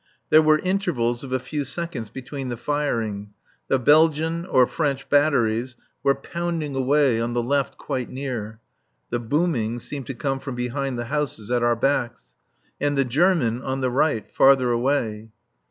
There were intervals of a few seconds between the firing. The Belgian [? French] batteries were pounding away on the left quite near (the booming seemed to come from behind the houses at our backs), and the German on the right, farther away.